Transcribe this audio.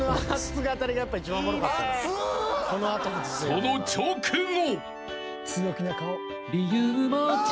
［その直後］